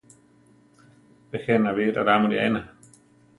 Pe jéna bi ralamuli ená.